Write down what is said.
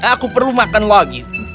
aku perlu makan lagi